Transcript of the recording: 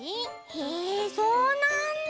へえそうなんだ。